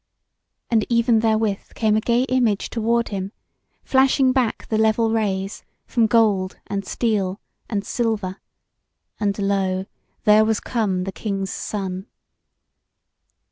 And even therewith came a gay image toward him, flashing back the level rays from gold and steel and silver; and lo! there was come the King's Son.